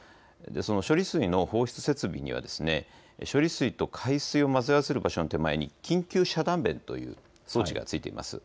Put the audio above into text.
処理水の放出設備には処理水と海水を混ぜ合わせる場所の手前に緊急遮断弁という装置がついています。